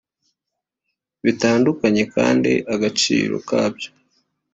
bitandukanye kandi agaciro kabyo